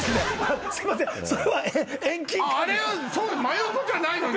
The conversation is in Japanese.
真横じゃないのね！